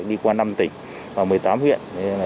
đi qua năm tỉnh và một mươi tám huyện